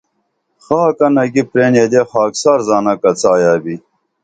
خاکہ نگی پرین یدے خاکسار زانہ کڅایا بھی